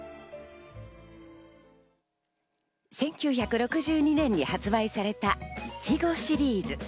１９６２年に発売された、いちごシリーズ。